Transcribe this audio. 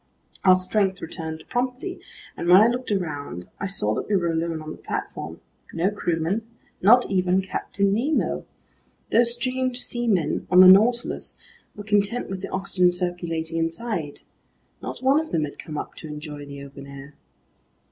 Our strength returned promptly, and when I looked around, I saw that we were alone on the platform. No crewmen. Not even Captain Nemo. Those strange seamen on the Nautilus were content with the oxygen circulating inside. Not one of them had come up to enjoy the open air.